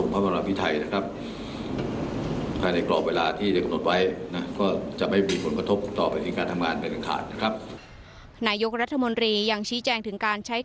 หัวพรุ่งใหม่จะทรงพระบรรวมพิธัย